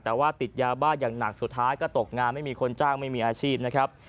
แต่ว่าติดยาบ้าอย่างหนักสุดท้ายก็ตกงานไม่มีคนจ้างไม่มีอาชีพนะครับ